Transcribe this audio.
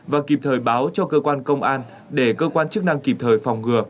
và kịp thời báo cho cơ quan công an để cơ quan chức năng kịp thời phòng ngừa